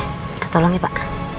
minta tolong ya pak